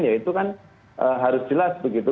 ya itu kan harus jelas begitu